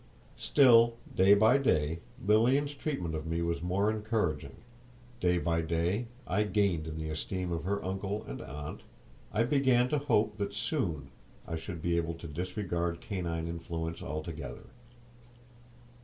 Still, day by day, Lilian's treatment of me was more encouraging; day by day I gained in the esteem of her uncle and aunt; I began to hope that soon I should be able to disregard canine influence altogether.